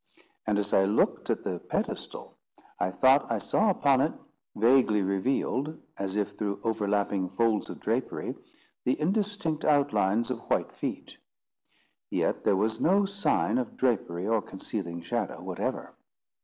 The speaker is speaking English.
And as I looked at the pedestal, I thought I saw upon it, vaguely revealed as if through overlapping folds of drapery, the indistinct outlines of white feet. Yet there was no sign of drapery or concealing shadow whatever.